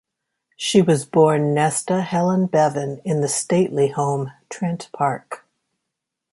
She was born Nesta Helen Bevan in the stately home Trent Park.